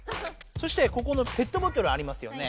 そしてここのペットボトルありますよね。